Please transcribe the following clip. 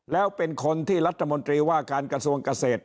แล้วเป็นคนที่รัฐมนตรีว่าการกระทรวงเกษตร